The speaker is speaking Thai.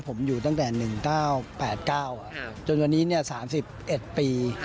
ผมอยู่ตั้งแต่๑๙๘๙จนวันนี้๓๑ปี